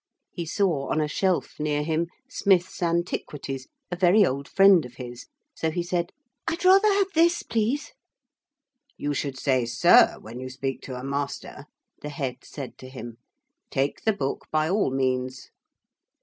He saw on a shelf near him, Smith's Antiquities, a very old friend of his, so he said: 'I'd rather have this, please.' 'You should say "sir" when you speak to a master,' the Head said to him. 'Take the book by all means.'